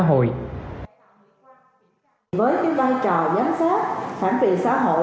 với cái vai trò giám sát phản biệt xã hội